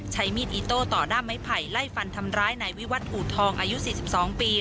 ใช้มีดอิโต้ต่อด้ามไม้ไผ่ไล่ฟันทำร้ายนายวิวัตรอูทองอายุ๔๒ปี